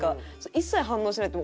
一切反応しないって